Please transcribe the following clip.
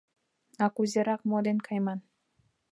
А кузерак, мо дене кайман?